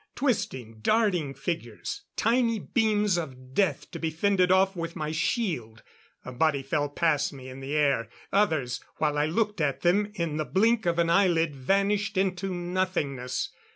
Twisting, darting figures ... tiny beams of death to be fended off with my shield.... A body fell past me in the air ... others, while I looked at them, in the blink of an eyelid, vanished into nothingness